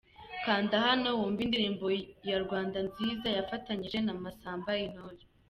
Kanda hano wumve indirimbo ye Rwanda nziza yafatanyije na Masamba Intore.